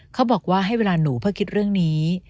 เขาบอกว่าให้เวลาหนูเพื่อคิดเรื่องนี้